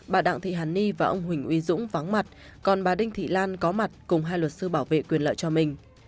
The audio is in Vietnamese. bà đặng thị hàn ni và ông huỳnh uy dũng vắng mặt còn bà đinh thị lan có mặt cùng hai luật sư bảo vệ quyền lợi cho mình